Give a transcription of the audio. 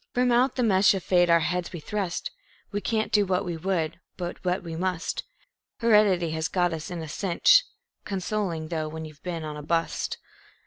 From out the mesh of fate our heads we thrust. We can't do what we would, but what we must. Heredity has got us in a cinch (Consoling thought when you've been on a "bust".)